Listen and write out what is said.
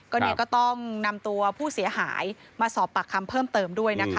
ก็เนี่ยก็ต้องนำตัวผู้เสียหายมาสอบปากคำเพิ่มเติมด้วยนะคะ